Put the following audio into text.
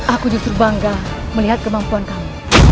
aku justru bangga melihat kemampuan kami